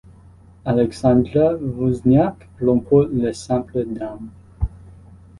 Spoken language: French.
Aleksandra Wozniak remporte le simple dames.